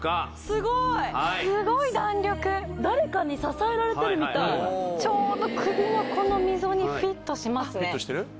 すごい弾力誰かに支えられてるみたいちょうど首のこの溝にフィットしますね